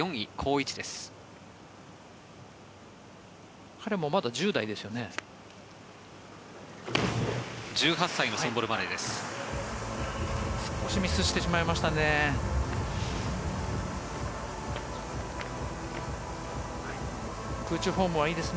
１８歳のソンボル・マレーです。